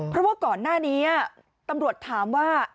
เพราะว่าก่อนหน้านี้ตำรวจถามว่า